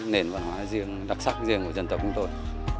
nền văn hóa đặc sắc riêng của dân tộc của tôi